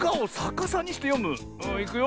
いくよ。